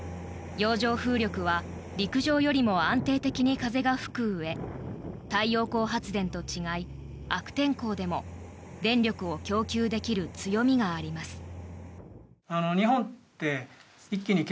洋上風力は陸上よりも安定的に風が吹くうえ太陽光発電と違い悪天候でも電力を供給できる強みがあります。